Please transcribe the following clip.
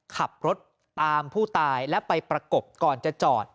ขับรถตามผู้ตายและไปประกบก่อนจะจอด